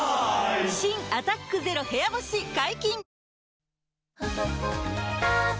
新「アタックＺＥＲＯ部屋干し」解禁‼